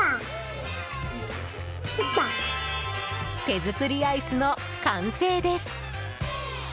手作りアイスの完成です。